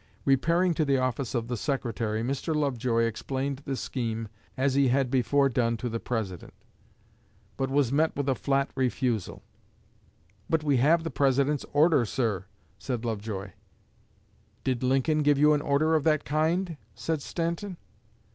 "Repairing to the office of the Secretary, Mr. Lovejoy explained the scheme, as he had before done to the President, but was met with a flat refusal. 'But we have the President's order, sir,' said Lovejoy. 'Did Lincoln give you an order of that kind?' said Stanton.